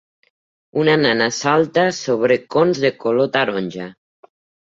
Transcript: Una nena salta sobre cons de color taronja.